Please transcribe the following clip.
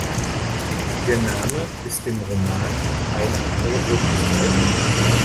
Der Name ist dem Roman "„Eine andere Wirklichkeit.